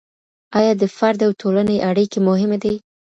آيا د فرد او ټولني اړيکي مهمې دي؟